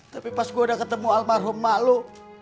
tapi pas gue udah ketemu almarhum mak lo